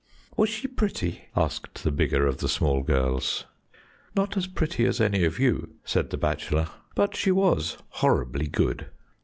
"Was she pretty?" asked the bigger of the small girls. "Not as pretty as any of you," said the bachelor, "but she was horribly good."